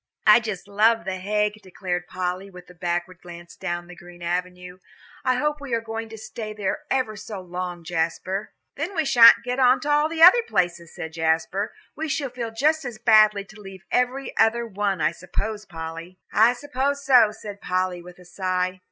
"I just love The Hague," declared Polly, with a backward glance down the green avenue. "I hope we are going to stay there ever so long, Jasper." "Then we sha'n't get on to all the other places," said Jasper. "We shall feel just as badly to leave every other one, I suppose, Polly." "I suppose so," said Polly, with a sigh.